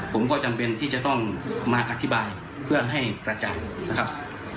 ผมก็จำเป็นที่จะต้องมาอธิบายเพื่อให้กระจ่างนะครับ